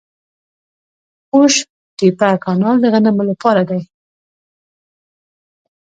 قوش تیپه کانال د غنمو لپاره دی.